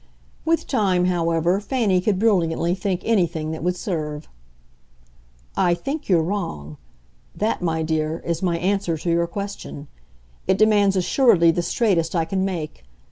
With time, however; Fanny could brilliantly think anything that would serve. "I think you're wrong. That, my dear, is my answer to your question. It demands assuredly the straightest I can make.